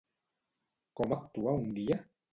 Com actua un dia?